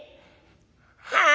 「はあ？